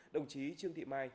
đồng chí trương thị mai